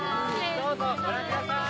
どうぞご覧ください。